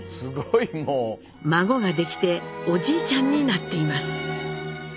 孫ができておじいちゃんになっています。